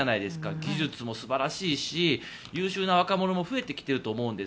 技術も素晴らしいし優秀な若者も増えてきていると思うんです。